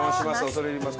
恐れ入ります。